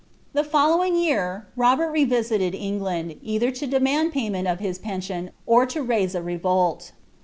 The following year Robert revisited England, either to demand pay ment of hia pension, or to raise a revolt.